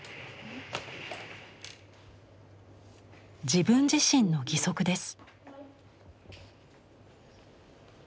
自分自身の義足です。